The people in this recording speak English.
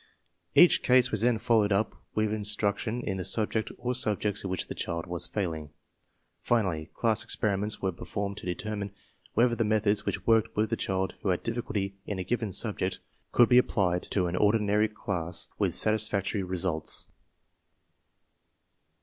Each case was then followed up with instruction in the subject or subjects in which the child was failing. Finally, class experiments were performed to determine whether the methods which worked with the child who had difficulty in a given subject could be applied to an ordinary class with satisfactory results.